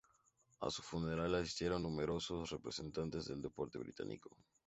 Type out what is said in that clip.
A su funeral asistieron numerosos representantes del deporte británico.